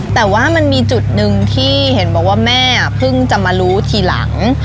แต่ว่ามันมีจุดหนึ่งที่เห็นบอกว่าแม่เพิ่งจะมารู้ทีหลัง